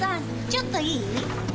ちょっといい？